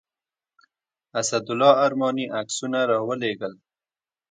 اسدالله ارماني عکسونه راولېږل.